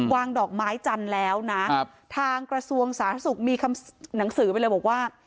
วางดอกไม้จันทร์แล้วนะทางกระทรวงสาธารณสุขมีคำหนังสือไปเลยบอกว่า